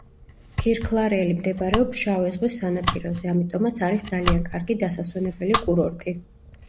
ქირქლარელი მდებარეობს შავი ზღვის სანაპიროზე, ამიტომაც არის ძალიან კარგი დასასვენებელი კურორტი.